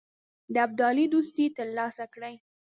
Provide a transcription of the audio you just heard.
د ابدالي دوستي تر لاسه کړي.